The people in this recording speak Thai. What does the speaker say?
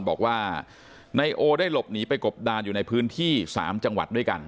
บอกว่านายโอได้หลบหนีไปกบดานอยู่ในพื้นที่๓จังหวัดด้วยกัน